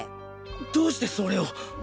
どうしてそれを！？